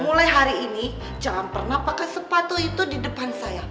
mulai hari ini jangan pernah pakai sepatu itu di depan saya